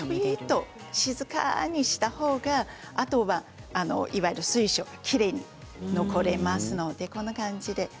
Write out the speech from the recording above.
静かにしたほうがいわゆる水晶がきれいに残りますのでこんな感じで。